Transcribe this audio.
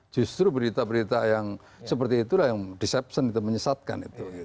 justru berita berita yang seperti itulah yang deception itu menyesatkan itu